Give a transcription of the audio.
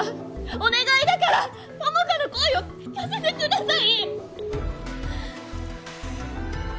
お願いだから友果の声を聞かせてください！